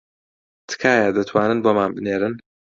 تکایە دەتوانن بۆمان بنێرن